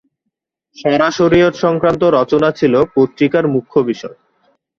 শরা-শরিয়ত সংক্রান্ত রচনা ছিল পত্রিকার মুখ্য বিষয়।